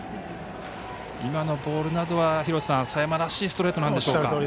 今のボールなどは佐山らしいストレートなんでしょうか。